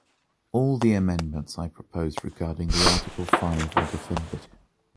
All the amendments I proposed regarding the Article five are defended.